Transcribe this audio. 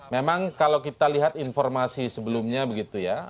memang kalau kita lihat informasi sebelumnya begitu ya